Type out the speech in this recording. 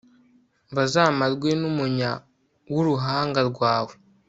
bazamarwe n'umunya w'uruhanga rwawe